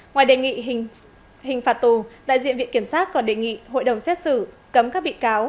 ngoài đề nghị hình phạt tù đại diện viện kiểm sát còn đề nghị hội đồng xét xử cấm các bị cáo